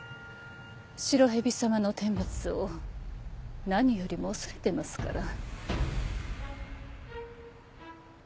白蛇様の天罰を何よりも恐れてますから。